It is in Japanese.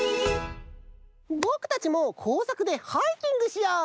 ぼくたちも工作でハイキングしよう！